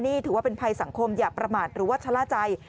นี่ถือว่าเป็นภัยสังคมอย่าประมาทหรือว่าชะล่าใจ